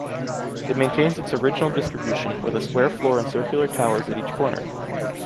It maintains its original distribution, with a square floor and circular towers at each corner.